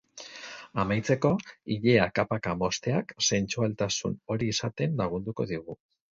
Amaitzeko, ilea kapaka mozteak sentsualtasun hori izaten lagunduko digu.